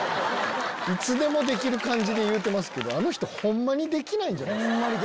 いつでもできる感じで言うてますけどあの人ホンマにできないんじゃないですか？